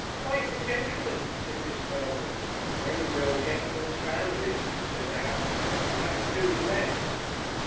"Quite the gentleman," said Miss Mergle. "Many real gentlemen's families," said the housekeeper, "have to do with less."